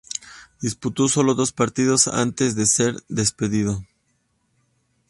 Disputó sólo dos partidos antes de ser despedido.